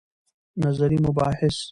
نظري مباحث